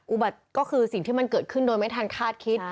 อุบัติก็คือสิ่งที่มันเกิดขึ้นโดยไม่ทันคาดคิด